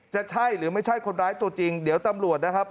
จะใช่หรือไม่ใช่คนร้ายตัวจริงเดี๋ยวตำรวจนะครับ